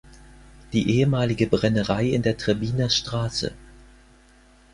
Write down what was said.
Die ehemalige Brennerei in der Trebbiner Str.